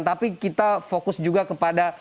tapi kita fokus juga kepada